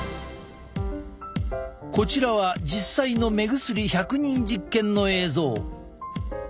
こちらは実際の目薬１００人実験の映像。